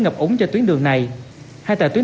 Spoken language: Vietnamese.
ngập úng cho tuyến đường này hai tài tuyến